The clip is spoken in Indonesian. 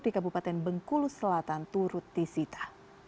di kabupaten bengkulu selatan turut disita